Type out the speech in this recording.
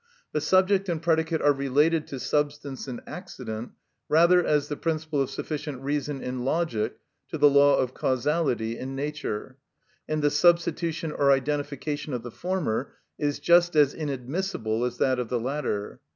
But subject and predicate are related to substance and accident rather as the principle of sufficient reason in logic to the law of causality in nature, and the substitution or identification of the former is just as inadmissible as that of the latter.